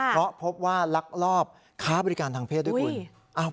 เพราะพบว่าลักลอบค้าบริการทางเพศด้วยคุณ